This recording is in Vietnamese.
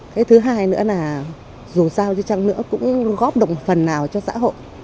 cái thứ hai nữa là dù sao chứ chẳng nữa cũng góp đồng phần nào cho xã hội